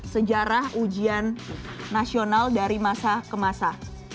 sejarah ujian nasional dari masa ke masa